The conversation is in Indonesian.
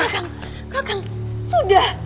kakak kakak sudah